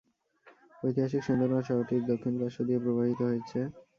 ঐতিহাসিক সিন্ধু নদ শহরটির দক্ষিণ পার্শ্ব দিয়ে প্রবাহিত হয়েছে।